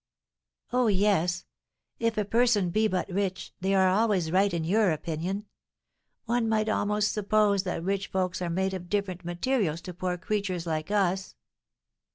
"Oh, yes; if a person be but rich, they are always right in your opinion. One might almost suppose that rich folks are made of different materials to poor creatures like us."